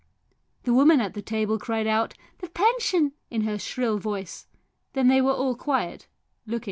The woman at the table cried out, "The pension !" in her shrill voice, and then they were all quiet, looking.